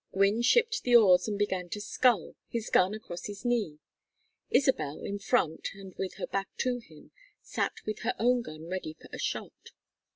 Gwynne shipped the oars and began to scull, his gun across his knee. Isabel, in front and with her back to him, sat with her own gun ready for a shot.